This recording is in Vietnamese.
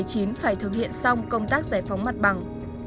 phải thực hiện xong công tác giải phóng mặt bằng